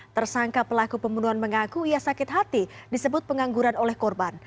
tersangka pelaku pembunuhan mengaku ia sakit hati disebut pengangguran oleh korban